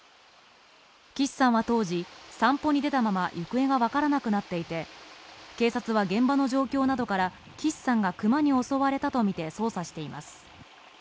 岸さんは当時、散歩に出たまま行方が分からなくなっていて警察は現場の状況などから岸さんが熊に襲われたとみて捜査しています。